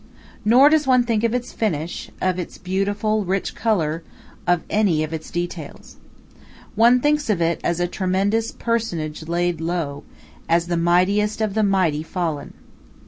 Nor does one think of its finish, of its beautiful, rich color, of any of its details. One thinks of it as a tremendous personage laid low, as the mightiest of the mighty fallen.